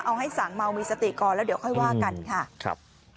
เอาให้สางเมามีสติก่อนแล้วเดี๋ยวค่อยว่ากันค่ะครับ